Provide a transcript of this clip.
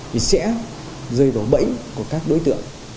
thì sẽ rơi vào bẫy của các đối tượng